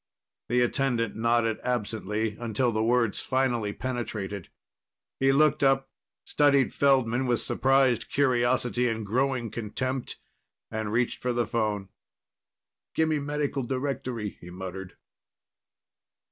The attendant nodded absently, until the words finally penetrated. He looked up, studied Feldman with surprised curiosity and growing contempt, and reached for the phone. "Gimme Medical Directory," he muttered.